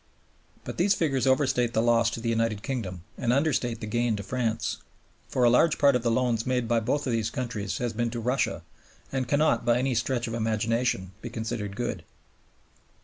But these figures overstate the loss to the United Kingdom and understate the gain to France; for a large part of the loans made by both these countries has been to Russia and cannot, by any stretch of imagination, be considered good.